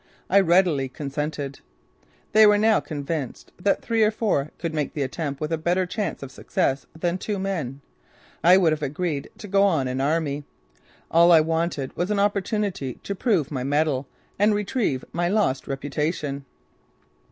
I readily consented. They were now convinced that three or four could make the attempt with a better chance of success than two men. I would have agreed to go an army! All I wanted was an opportunity to prove my mettle and retrieve my lost reputation.